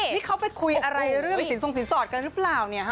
นี่เขาไปคุยอะไรเรื่องสินทรงสินสอดกันหรือเปล่าเนี่ยฮะ